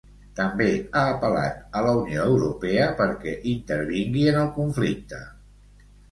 També ha apel·lat a la Unió Europea perquè intervingui en el conflicte.